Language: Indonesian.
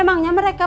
tugas dulu mak